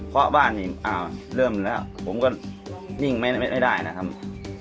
เพราะบ้านอีกอ้าวเริ่มแล้วผมก็นิ่งไม่ได้นะครับ